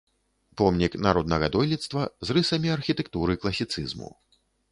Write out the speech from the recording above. Помнік народнага дойлідства з рысамі архітэктуры класіцызму.